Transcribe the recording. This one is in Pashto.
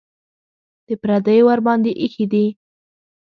د پردیو ورباندې ایښي دي.